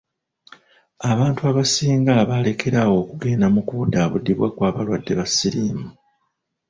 Abantu abasinga baalekera awo okugenda mubkubuddaabudibwakw'abalwadde ba siriimu.